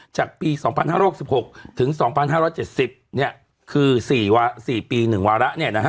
จากปี๒๕๖๖ถึง๒๕๗๐คือ๔ปี๑วาระ